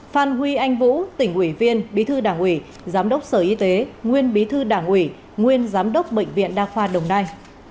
phan huy anh vũ tỉnh ủy viên bí thư đảng ủy giám đốc sở y tế nguyên bí thư đảng ủy nguyên giám đốc bệnh viện đa khoa đồng nai